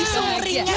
iya kan bu